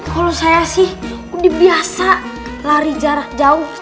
kalau saya sih udah biasa lari jarak jauh